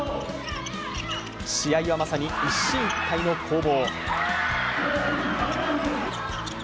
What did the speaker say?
試合はまさに一進一退の攻防。